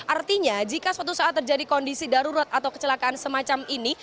artinya jika suatu saat terjadi kondisi darurat atau kecelakaan semacam ini